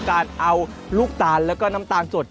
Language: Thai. การเอาลูกตาลแล้วก็น้ำตาลสด